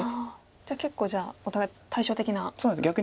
じゃあ結構お互い対照的な。